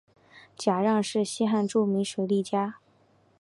贾让是西汉著名水利家。